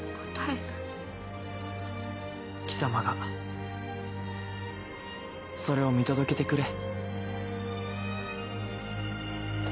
貴様がそれを見届けてくれ。